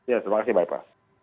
ya terima kasih mbak eva